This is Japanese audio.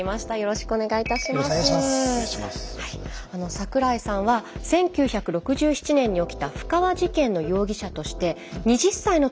桜井さんは１９６７年に起きた布川事件の容疑者として２０歳のときに逮捕されました。